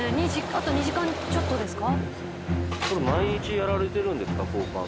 あと２時間ちょっとですか？